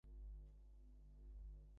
আমাকে সতর্ক হতে হবে।